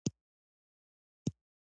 غوږونه له حق خبرې ویره نه لري